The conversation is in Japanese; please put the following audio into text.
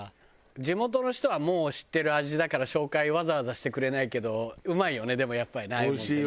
地元の人はもう知ってる味だから紹介わざわざしてくれないけどうまいよねでもやっぱりねああいうのってね。